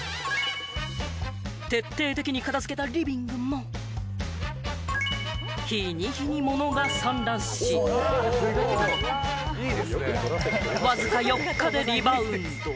徹底的に片付けたリビングも、日に日に物が散乱し、わずか４日でリバウンド。